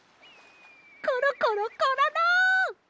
コロコロコロロ！